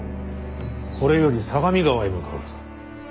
これより相模川へ向かう。